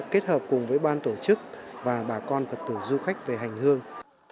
kết hợp cùng với ban tổ chức và bà con phật tử du khách về hành hương